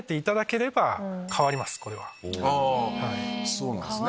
そうなんですね。